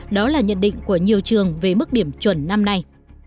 đó là nhận định của nhiều trường về mức điểm chuẩn năm nay